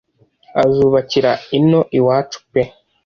azubakira ino iwacu pe